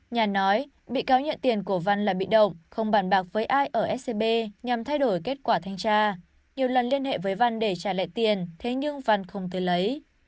nhà nói bị cáo nhận tiền của văn là bị động không bàn bạc với ai ở scb nhằm thay đổi kết quả thanh tra nhiều lần liên hệ với văn để trả lại tiền thế nhưng văn không thể lấy